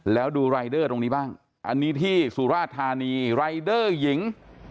แล้วดูรายเดอร์ตรงนี้บ้างอันนี้ที่สุราธานีรายเดอร์หญิง